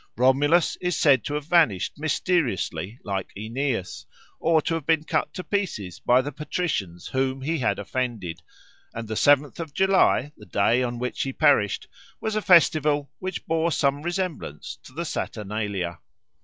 Romulus is said to have vanished mysteriously like Aeneas, or to have been cut to pieces by the patricians whom he had offended, and the seventh of July, the day on which he perished, was a festival which bore some resemblance to the Saturnalia.